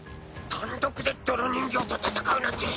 単独で泥人形と戦うなんて。